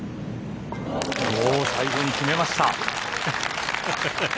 最後に決めました。